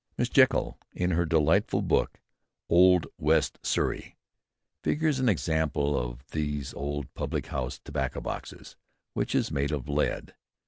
Miss Jekyll, in her delightful book on "Old West Surrey," figures an example of these old public house tobacco boxes which is made of lead.